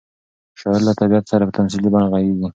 شاعر له طبیعت سره په تمثیلي بڼه غږېږي.